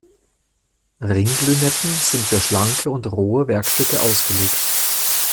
Ring-Lünetten sind für schlanke und rohe Werkstücke ausgelegt.